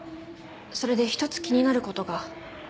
それで一つ気になる事が。